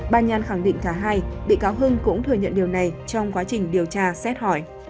bà nhàn khẳng định cả hai bị cáo hưng cũng thừa nhận điều này trong quá trình điều tra xét hỏi